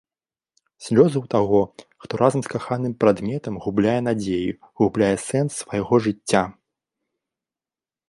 Слёзы ў таго, хто разам з каханым прадметам губляе надзеі, губляе сэнс свайго жыцця.